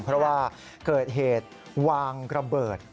เพราะว่าเกิดเหตุวางระเบิด